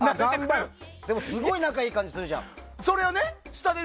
すごい仲いい感じするじゃん。